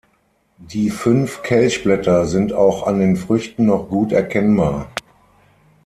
Die fünf Kelchblätter sind auch an den Früchten noch gut erkennbar.